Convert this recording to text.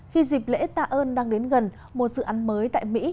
khi dịp lễ tạ ơn đang đến gần một dự án mới tại mỹ